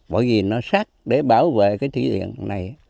bởi vì nó sắc để bảo vệ cái thủy điện này